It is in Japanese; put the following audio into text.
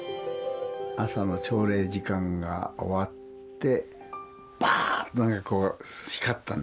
朝の朝礼時間が終わってバーンとねこう光ったんですね。